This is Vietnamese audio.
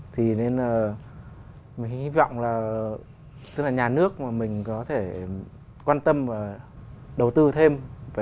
thì nên là mình hy vọng là tức là nhà nước mà mình có thể quan tâm và đầu tư thêm